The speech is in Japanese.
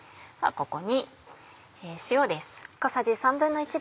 ここに塩です。